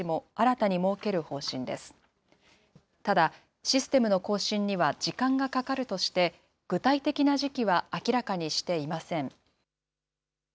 ただ、システムの更新には時間がかかるとして、具体的な時期は明らかにしていません。